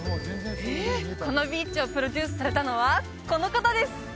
このビーチをプロデュースされたのはこの方です！